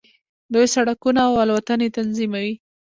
دوی سړکونه او الوتنې تنظیموي.